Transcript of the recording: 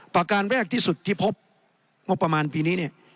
ประการแรกที่สุดที่พบงบประมาณปีนี้เนี่ย